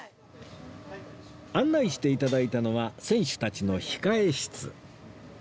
案内していただいたのは選手たちの控え室